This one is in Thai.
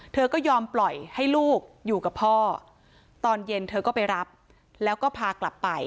เธอก็ยอมปล่อยให้ลูกอยู่กับพ่อตอนเย็นเธอก็ไปรับแล้วก็พากลับไป